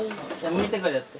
むいてからやって。